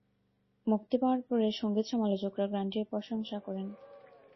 মুক্তি পাওয়ার পরে সংগীত-সমালোচকরা গানটির প্রশংসা করেন।